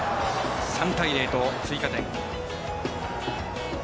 ３対０と追加点。